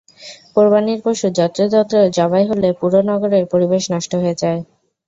কোরবানির পশু যত্রতত্র জবাই হলে পুরো নগরের পরিবেশ নষ্ট হয়ে যায়।